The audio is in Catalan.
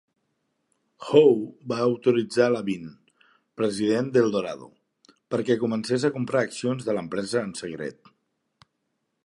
Howe va autoritzar LaBine, president d'Eldorado, perquè comencés a comprar accions de l'empresa en secret.